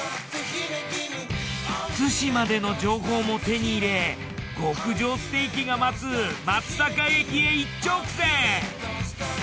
津市までの情報も手に入れ極上ステーキが待つ松阪駅へ一直線！